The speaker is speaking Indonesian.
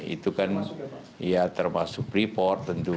itu kan ya termasuk freeport tentu